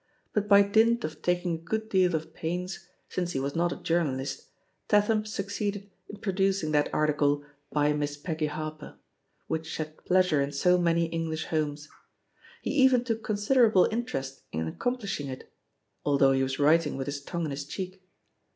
But by dint of taking a good deal of pains, since he was not a journalist, Tatham succeeded in producing that article "By Miss Peggy Harper^* which shed pleasure in so many English homes. He even took considerable interest in accomplish ing it, although he was writing with his tongue in his cheek.